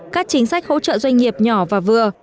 các chính sách hỗ trợ doanh nghiệp nhỏ và vừa